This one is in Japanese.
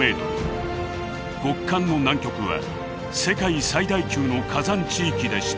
極寒の南極は世界最大級の火山地域でした。